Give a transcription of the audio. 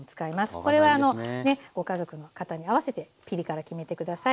これはご家族の方に合わせてピリ辛決めて下さい。